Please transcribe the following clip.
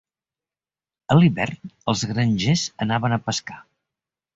A l'hivern els grangers anaven a pescar.